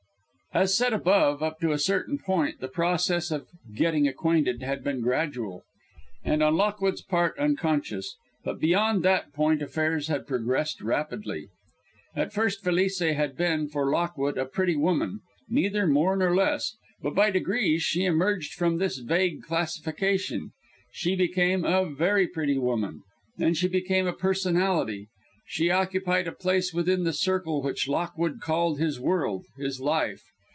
As said above, up to a certain point the process of "getting acquainted" had been gradual, and on Lockwood's part unconscious; but beyond that point affairs had progressed rapidly. At first Felice had been, for Lockwood, a pretty woman, neither more nor less; but by degrees she emerged from this vague classification: she became a very pretty woman. Then she became a personality; she occupied a place within the circle which Lockwood called his world, his life.